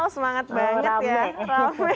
wow semangat banget ya